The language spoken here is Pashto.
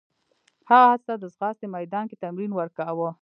هغه اس ته د ځغاستې میدان کې تمرین ورکاوه.